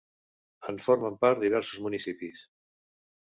En formen part diversos municipis.